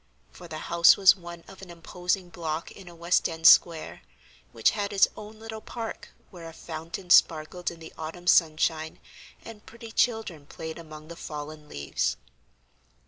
for the house was one of an imposing block in a West End square, which had its own little park where a fountain sparkled in the autumn sunshine, and pretty children played among the fallen leaves.